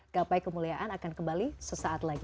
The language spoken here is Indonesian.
gapai kemuliaan akan kembali sesaat lagi